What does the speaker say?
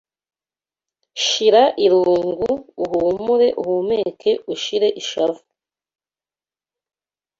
Shira irungu uhumure Uhumeke ushire ishavu